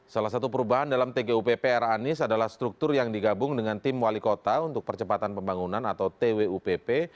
salah satu perubahan dalam tgupp era anies adalah struktur yang digabung dengan tim wali kota untuk percepatan pembangunan atau twupp